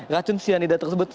racun cyanida tersebut